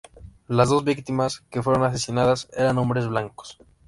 Las dos víctimas que fueron asesinadas eran hombres blancos.